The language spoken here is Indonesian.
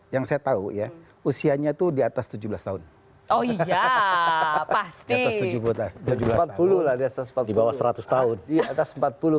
inisialnya itu dari a sampai z